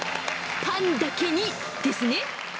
パンだけにですね。